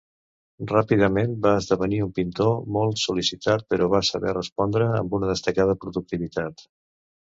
Ràpidament va esdevenir un pintor molt sol·licitat, però va saber respondre amb una destacada productivitat.